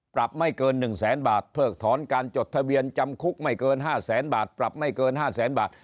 ปรับไม่เกิน๑แสนบาทเพิกถอนการจดทะเบียนจำคุกไม่เกิน๕แสนบาทปรับไม่เกิน๕แสนบาท